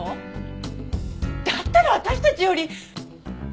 だったら私たちより！